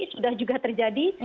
sudah juga terjadi